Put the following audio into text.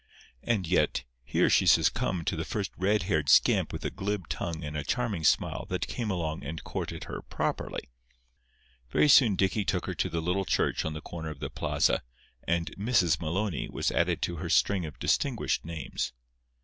And yet here she succumbed to the first red haired scamp with a glib tongue and a charming smile that came along and courted her properly. Very soon Dicky took her to the little church on the corner of the plaza, and "Mrs. Maloney" was added to her string of distinguished names.